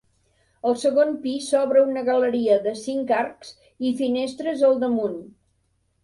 Al segon pis s'obre una galeria de cinc arcs i finestres al damunt.